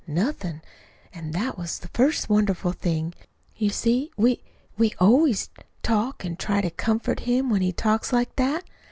"Nothin'. An' that was the first wonderful thing. You see, we we always talk an' try to comfort him when he talks like that.